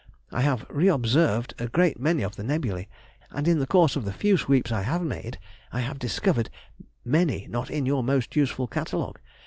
I have re observed a great many of the nebulæ, and in the course of the few sweeps I have made, have discovered many not in your most useful catalogue.